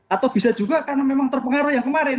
atau bisa juga karena memang terpengaruh yang kemarin